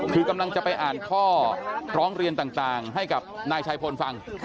คือกำลังจะไปอ่านข้อร้องเรียนต่างให้กับนายชายพลฟัง